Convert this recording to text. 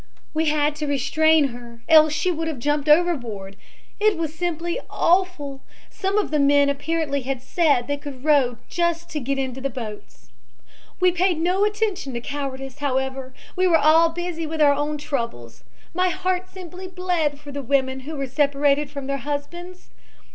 "We had to restrain her, else she would have jumped over board. It was simply awful. Some of the men apparently had said they could row just to get into the boats. We paid no attention to cowardice, however. We were all busy with our own troubles. My heart simply bled for the women who were separated from their husbands.